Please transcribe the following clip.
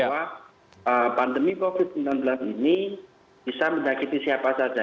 bahwa pandemi covid sembilan belas ini bisa menyakiti siapa saja